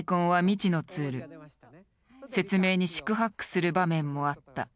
説明に四苦八苦する場面もあった。